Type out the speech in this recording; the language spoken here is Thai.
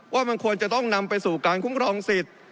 ว่ามันควรจะต้องนำไปสู่การคุ้มครองสิทธิ์